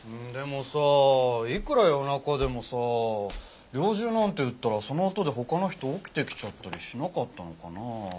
でもさあいくら夜中でもさあ猟銃なんて撃ったらその音で他の人起きてきちゃったりしなかったのかなあ？